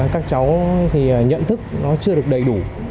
các cháu thì nhận thức nó chưa được đầy đủ